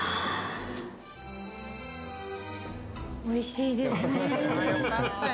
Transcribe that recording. おいしいですねぇ。